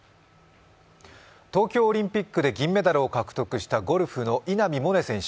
東京オリンピックで銀メダルを獲得したゴルフの稲見萌寧選手。